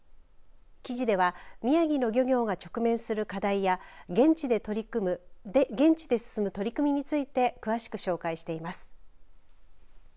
記事では宮城漁業が直面する課題や現地で進む取り組みについて詳しく紹介しています。